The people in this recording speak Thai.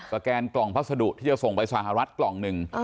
ชองค่ะสแกนกล่องพัสดุที่จะส่งไปสหรัฐกล่องนึงอ่อ